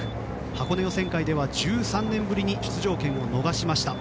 箱根予選会では１３年ぶりに出場権を逃しました。